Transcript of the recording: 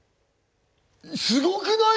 すごくない？